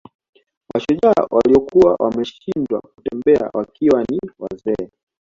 Mashujaa waliokuwa wameshindwa kutembea wakiwa ni wazee